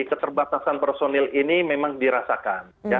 keterbatasan personil ini memang dirasakan